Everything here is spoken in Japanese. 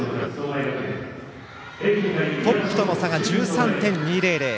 トップとの差が１３．２００。